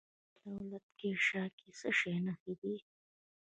د لغمان په دولت شاه کې د څه شي نښې دي؟